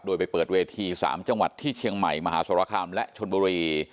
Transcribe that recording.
โดยไปเปิดเวที๓จังหวัดที่เชียงใหม่มหาสรคามและชนบุรี